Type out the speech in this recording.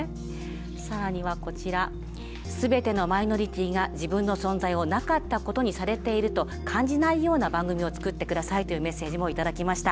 更にはこちら「すべてのマイノリティーが自分の存在を“なかったことにされている”と感じないような番組を作ってください」というメッセージも頂きました。